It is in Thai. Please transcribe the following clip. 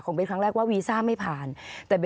ขอบคุณครับ